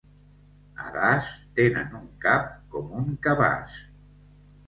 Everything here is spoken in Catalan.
A Das tenen un cap com un cabàs.